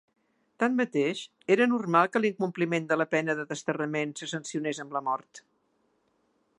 Tanmateix, era normal que l'incompliment de la pena de desterrament se sancionés amb la mort.